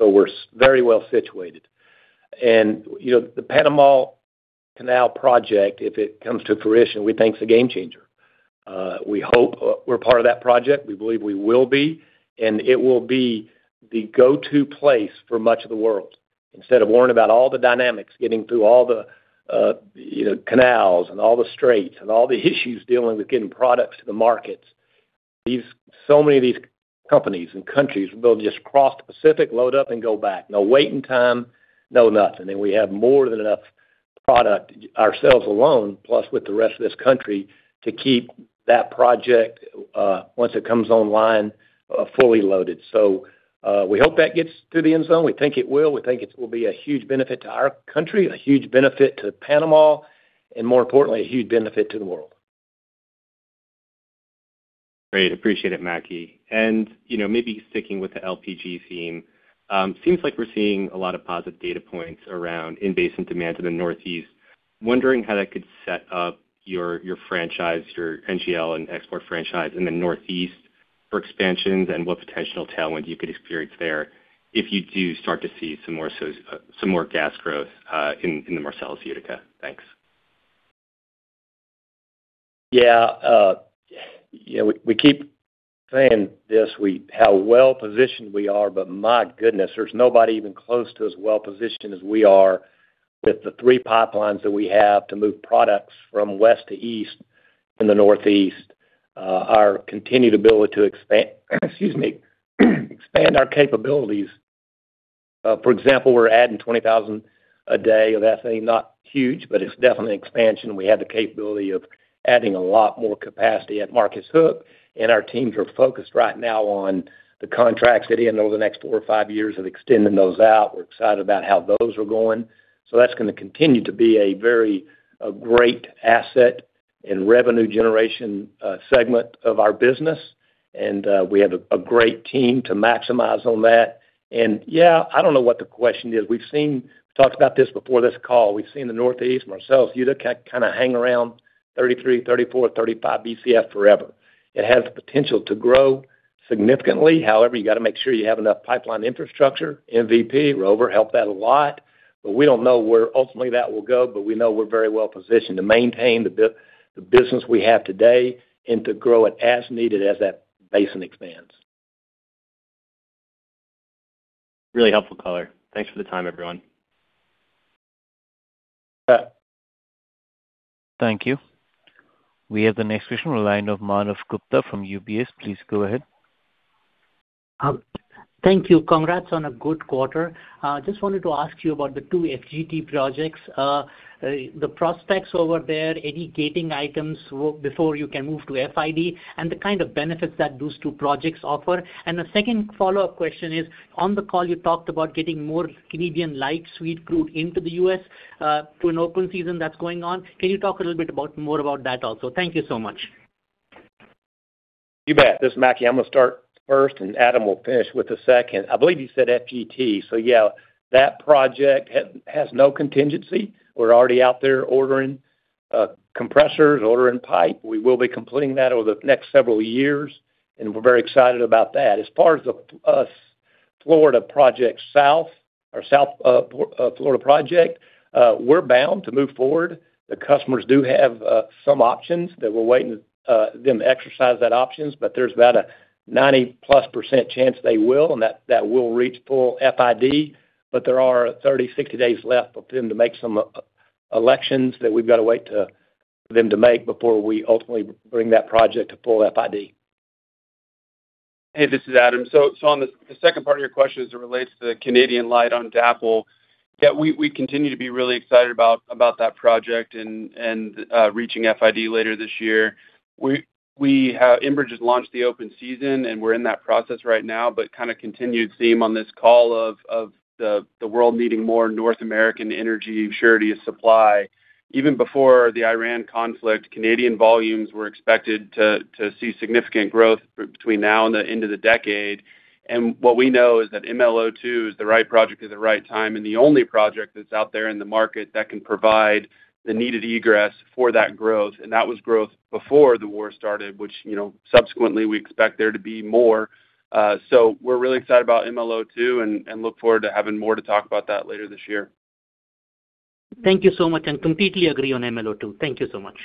We're very well situated. You know, the Panama Canal project, if it comes to fruition, we think it's a game changer. We hope we're part of that project. We believe we will be. It will be the go-to place for much of the world. Instead of worrying about all the dynamics, getting through all the, you know, canals and all the straits and all the issues dealing with getting products to the markets. Many of these companies and countries will just cross the Pacific, load up and go back. No waiting time, no nothing. We have more than enough product ourselves alone, plus with the rest of this country, to keep that project, once it comes online, fully loaded. We hope that gets to the end zone. We think it will. We think it will be a huge benefit to our country, a huge benefit to Panama, and more importantly, a huge benefit to the world. Great. Appreciate it, Mackie. You know, maybe sticking with the LPG theme, seems like we’re seeing a lot of positive data points around in basin demand to the Northeast. Wondering how that could set up your franchise, your NGL and export franchise in the Northeast for expansions and what potential tailwind you could experience there if you do start to see some more gas growth in the Marcellus Utica. Thanks. You know, we keep saying this, how well-positioned we are, but my goodness, there's nobody even close to as well-positioned as we are with the 3 pipelines that we have to move products from west to east in the Northeast. Our continued ability to expand, excuse me, expand our capabilities. For example, we're adding 20,000 a day of ethane, not huge, but it's definitely an expansion. We have the capability of adding a lot more capacity at Marcus Hook, and our teams are focused right now on the contracts that end over the next 4 or 5 years of extending those out. We're excited about how those are going. That's gonna continue to be a very, a great asset and revenue generation segment of our business. We have a great team to maximize on that. Yeah, I don't know what the question is. We've talked about this before this call. We've seen the Northeast, Marcellus, Utica kind of hang around 33, 34, 35 BCF forever. It has the potential to grow significantly. You got to make sure you have enough pipeline infrastructure, MVP, Rover help that a lot. We don't know where ultimately that will go, but we know we're very well-positioned to maintain the business we have today and to grow it as needed as that basin expands. Really helpful color. Thanks for the time, everyone. Yeah. Thank you. We have the next question in line of Manav Gupta from UBS. Please go ahead. Thank you. Congrats on a good quarter. Just wanted to ask you about the 2 FGT projects. The prospects over there, any gating items before you can move to FID, and the kind of benefits that those 2 projects offer? The second follow-up question is, on the call you talked about getting more Canadian light sweet crude into the U.S., to an open season that's going on. Can you talk a little bit more about that also? Thank you so much. You bet. This is Mackie. I'm gonna start first, and Adam will finish with the second. I believe you said FGT. Yeah, that project has no contingency. We're already out there ordering compressors, ordering pipe. We will be completing that over the next several years, and we're very excited about that. As far as Florida project south, we're bound to move forward. The customers do have some options that we're waiting them to exercise that options, there's about a 90-plus % chance they will, and that will reach full FID. There are 30, 60 days left for them to make some elections that we've got to wait for them to make before we ultimately bring that project to full FID. Hey, this is Adam. On the second part of your question as it relates to the Canadian light on DAPL, yeah, we continue to be really excited about that project and reaching FID later this year. We Enbridge has launched the open season, and we're in that process right now. Kind of continued theme on this call of the world needing more North American energy surety of supply. Even before the Iran conflict, Canadian volumes were expected to see significant growth between now and the end of the decade. What we know is that MLO 2 is the right project at the right time, and the only project that's out there in the market that can provide the needed egress for that growth. That was growth before the war started, which, you know, subsequently, we expect there to be more. We're really excited about MLO 2 and look forward to having more to talk about that later this year. Thank you so much, and completely agree on MLO 2. Thank you so much.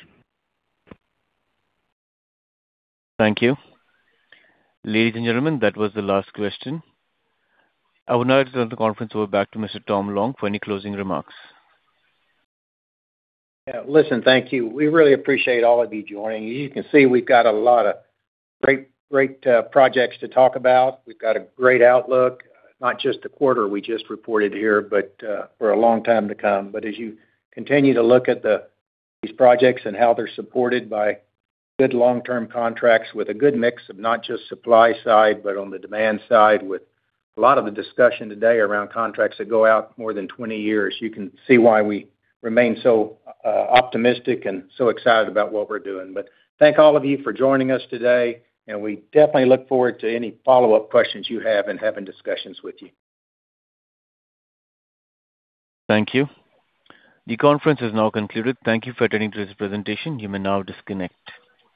Thank you. Ladies and gentlemen, that was the last question. I would now like to turn the conference over back to Mr. Tom Long for any closing remarks. Yeah. Listen, thank you. We really appreciate all of you joining. As you can see, we've got a lot of great projects to talk about. We've got a great outlook, not just the quarter we just reported here, but for a long time to come. As you continue to look at these projects and how they're supported by good long-term contracts with a good mix of not just supply side, but on the demand side, with a lot of the discussion today around contracts that go out more than 20 years, you can see why we remain so optimistic and so excited about what we're doing. Thank all of you for joining us today, and we definitely look forward to any follow-up questions you have and having discussions with you. Thank you. The conference is now concluded. Thank you for attending today's presentation. You may now disconnect.